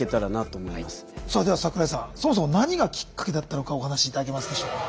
では桜井さんそもそも何がきっかけだったのかお話し頂けますでしょうか。